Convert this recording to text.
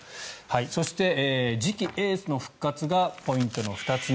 そして、次期エースの復活がポイントの２つ目。